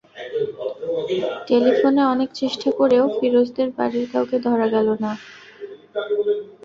টেলিফোনে অনেক চেষ্টা করেও ফিরোজদের বাড়ির কাউকে ধরা গেল না।